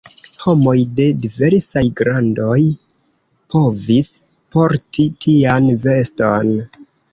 Homoj de diversaj grandoj povis porti tian veston.